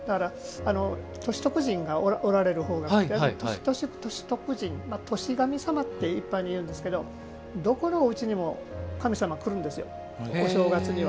歳徳神がおられる方年神様って一般的にいうんですけどどこのおうちにも神様は来るんですよお正月には。